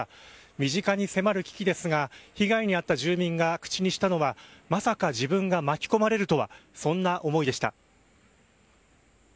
身近に迫る危機ですが被害に遭った住民が口にしたのはまさか自分が巻き込まれるとはそんな思いでした。